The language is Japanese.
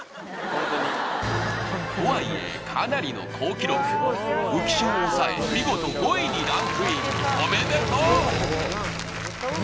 ホントにとはいえかなりの好記録浮所を抑え見事５位にランクインおめでとう！